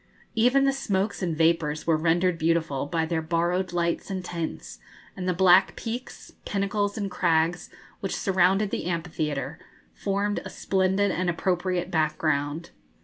Even the smokes and vapours were rendered beautiful by their borrowed lights and tints, and the black peaks, pinnacles, and crags, which surrounded the amphitheatre, formed a splendid and appropriate background.